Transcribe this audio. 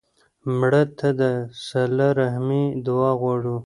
مړه ته د صله رحمي دعا غواړو